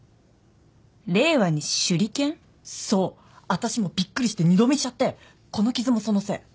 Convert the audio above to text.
私もびっくりして二度見しちゃってこの傷もそのせい。